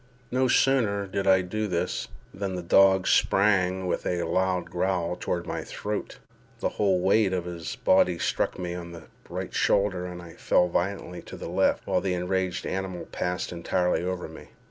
No sooner did I do this, than the dog sprang with a loud growl toward my throat. The whole weight of his body struck me on the right shoulder, and I fell violently to the left, while the enraged animal passed entirely over me.